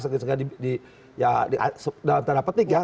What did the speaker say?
setidaknya di dalam tanda petik ya